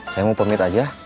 saya mau pamit aja